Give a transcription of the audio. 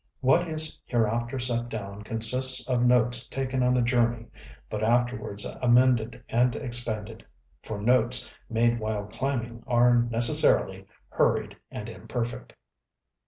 What is hereafter set down consists of notes taken on the journey, but afterwards amended and expanded, for notes made while climbing are necessarily hurried and imperfect.